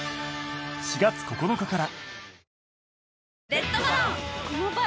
４月９日から